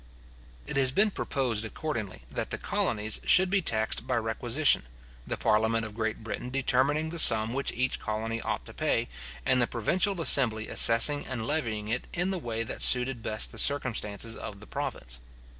It has been proposed, accordingly, that the colonies should be taxed by requisition, the parliament of Great Britain determining the sum which each colony ought to pay, and the provincial assembly assessing and levying it in the way that suited best the circumstances of the province.